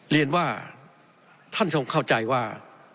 เรียนว่าท่านทรงเข้าใจว่า